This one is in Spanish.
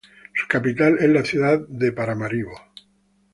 Su capital es la ciudad de Paramaribo.